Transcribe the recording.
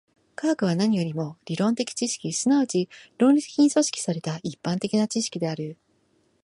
科学は何よりも理論的知識、即ち論理的に組織された一般的な知識である。